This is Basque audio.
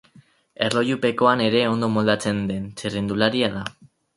Erlojupekoan ere ondo moldatzen den txirrindularia da.